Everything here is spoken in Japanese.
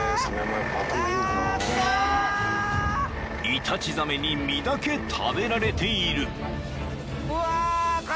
［イタチザメに身だけ食べられている］